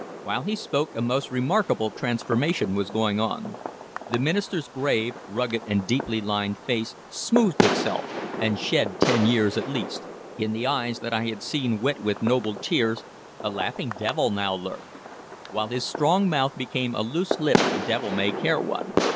While he spoke a most remarkable transformation was going on. The minister's grave, rugged, and deeply lined face smoothed itself and shed ten years at least; in the eyes that I had seen wet with noble tears a laughing devil now lurked, while his strong mouth became a loose lipped, devil may care one.